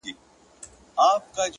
صبر د اوږدو سفرونو توښه ده!